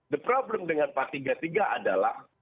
the problem dengan empat tiga tiga adalah